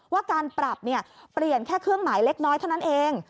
ว่าการปรับเปลี่ยนแค่เครื่องหมายเล็กน้อยเท่านั้นเอง